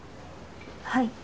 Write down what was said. はい。